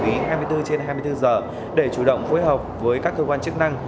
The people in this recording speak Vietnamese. điều này được xử lý hai mươi bốn trên hai mươi bốn giờ để chủ động phối hợp với các cơ quan chức năng